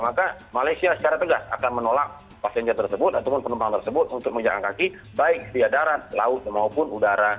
maka malaysia secara tegas akan menolak pasiennya tersebut ataupun penumpang tersebut untuk menjalan kaki baik di darat laut maupun udara